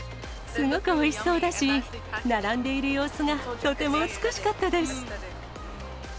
すごくおいしそうだし、並んでいる様子がとても美しかったです。